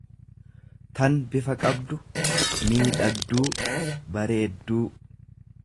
tan bifa qabdu, miidhagduu, bareedduu.